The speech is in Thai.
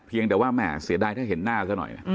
แต่ว่าแม่เสียดายถ้าเห็นหน้าซะหน่อย